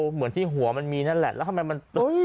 เหมือนที่หัวมันมีนั่นแหละแล้วทำไมมัน